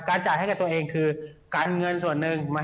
จ่ายให้กับตัวเองคือการเงินส่วนหนึ่ง